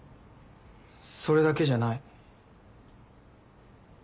それだけじゃない。